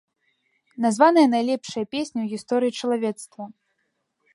Названыя найлепшыя песні ў гісторыі чалавецтва.